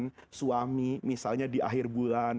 bagaimana tidak mengecewakan suami misalnya di akhir bulan